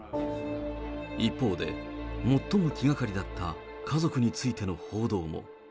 一方で、最も気がかりだった家族についての報道も。